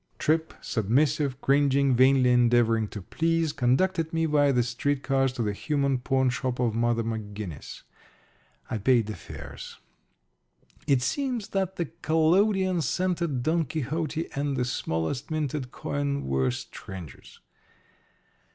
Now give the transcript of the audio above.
Tripp, submissive, cringing, vainly endeavoring to please, conducted me via the street cars to the human pawn shop of Mother McGinnis. I paid the fares. It seemed that the collodion scented Don Quixote and the smallest minted coin were strangers.